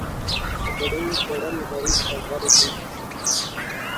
د غوړیو خوړل غریب ته غر دي.